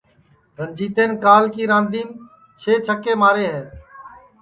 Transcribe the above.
رنجیتین کال کے راندیم چھے چھکے مارے ہے